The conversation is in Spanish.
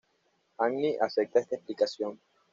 Anne acepta esta explicación.